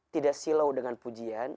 tidak silau dengan pujian